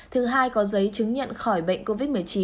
thứ hai có giấy chứng nhận khỏi bệnh covid một mươi chín